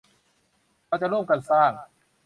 เราจะร่วมกันสร้าง